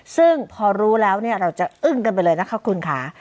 ซึ่งพอรู้แล้วเราจะอึ้งกันไปเลยนะคะคุณค่ะ